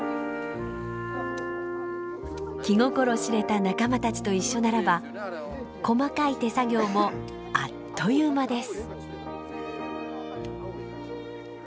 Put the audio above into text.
気心知れた仲間たちと一緒ならば細かい手作業もあっという間です。